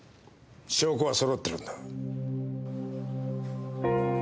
証拠は揃ってるんだ。